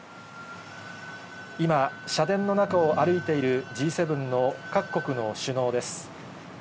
今、社殿の中を歩いている、Ｇ７の各国の首脳です。